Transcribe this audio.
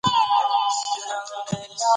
د مېلو پر مهال خلک په ګډه نڅا کوي.